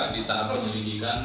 di tahap penyelidikan